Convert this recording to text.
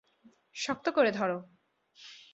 শক্ত করে ধরো!